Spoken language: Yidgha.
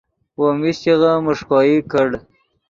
وو میشچغے میݰکوئی کڑ